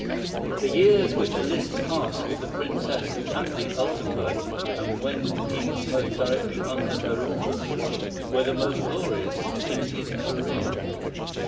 ]" The years which Liszt passed with the Princess at the Altenburg, and when he was most directly under her influence, were the most glorious in his career.